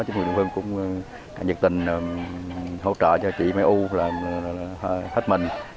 chính quyền địa phương cũng nhiệt tình hỗ trợ cho chị mai u là hết mình